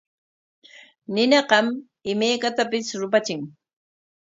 Ninaqam imaykatapis rupachin.